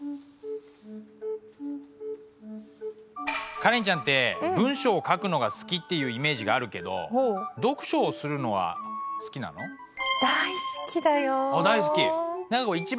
カレンちゃんって文章を書くのが好きっていうイメージがあるけどあっ大好き？